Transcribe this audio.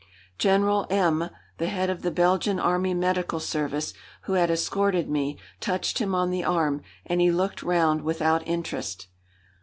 General M , the head of the Belgian Army medical service, who had escorted me, touched him on the arm, and he looked round without interest.